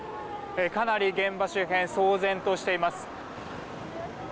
かなり現場周辺騒然としています。